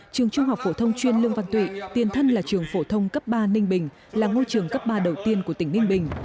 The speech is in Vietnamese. trường trung học phổ thông chuyên lương văn tụy tiền thân là trường phổ thông cấp ba ninh bình là ngôi trường cấp ba đầu tiên của tỉnh ninh bình